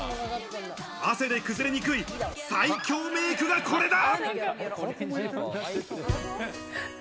汗で崩れにくい最強メイクがこれだ。